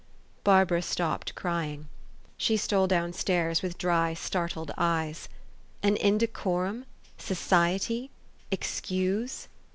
Barbara stopped crying. She stole down stairs with dry, startled eyes. An indecorum f Society? Excuse?